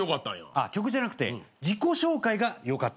あっ曲じゃなくて自己紹介が良かった。